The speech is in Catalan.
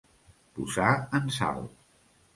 Posar en sal.